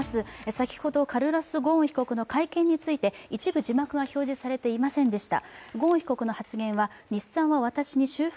先ほどカルロス・ゴーン被告の会見について一部字幕が表示されていませんでした。